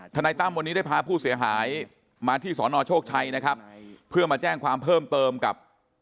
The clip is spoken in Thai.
นายตั้มวันนี้ได้พาผู้เสียหายมาที่สอนอโชคชัยนะครับเพื่อมาแจ้งความเพิ่มเติมกับ